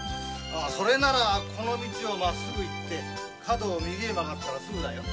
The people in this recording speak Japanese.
この道をまっすぐ行って角を右へ曲がったらすぐだよ。